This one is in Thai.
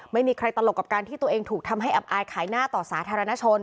ไม่มีใครตลกกับการที่ตัวเองถูกทำให้อับอายขายหน้าต่อสาธารณชน